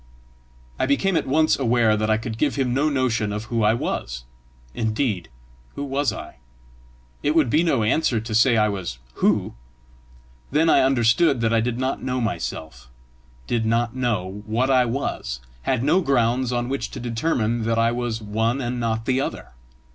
I became at once aware that I could give him no notion of who I was. Indeed, who was I? It would be no answer to say I was who! Then I understood that I did not know myself, did not know what I was, had no grounds on which to determine that I was one and not another.